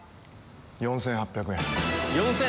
４８００円。